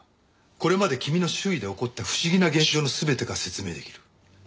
これまで君の周囲で起こった不思議な現象の全てが説明できる。